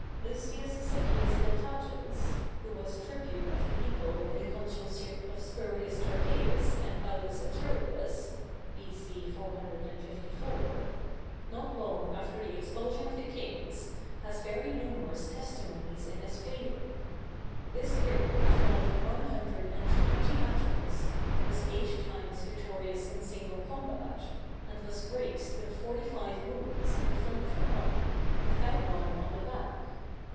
Lucius Siccius Dentatus, who was tribune of the people in the consulship of Spurius Tarpeius and Aulus Aterius (B.C. 454), not long after the expulsion of the kings, has very numerous testimonies in his favor. This hero fought one hundred and twenty battles, was eight times victorious in single combat, and was graced with forty five wounds in the front of the body, without one on the back.